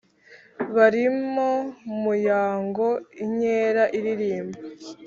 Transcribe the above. Barimo Muyango Inkera iririmba